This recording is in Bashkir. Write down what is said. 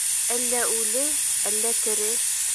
Әллә үле, әллә тере.